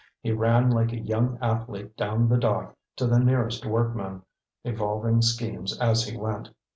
He ran like a young athlete down the dock to the nearest workman, evolving schemes as he went.